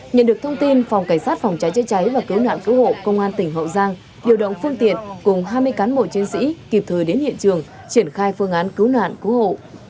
nhận được thông tin phòng cảnh sát phòng cháy chế cháy và cứu nạn cứu hộ công an tỉnh hậu giang điều động phương tiện cùng hai mươi cán bộ chiến sĩ kịp thời đến hiện trường triển khai phương án cứu nạn cứu hộ